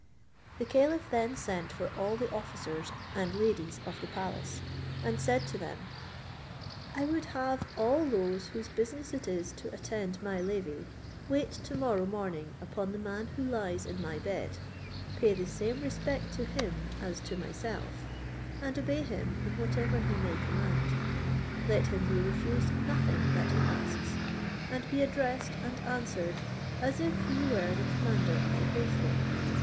The caliph then sent for all the officers and ladies of the palace, and said to them, "I would have all those whose business it is to attend my levee wait to morrow morning upon the man who lies in my bed, pay the same respect to him as to myself, and obey him in whatever he may command; let him be refused nothing that he asks, and be addressed and answered as if he were the commander of the faithful.